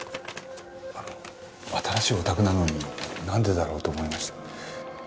あの新しいお宅なのになんでだろうと思いました。